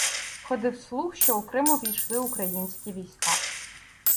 Ходив слух, що у Крим увійшли українські війська.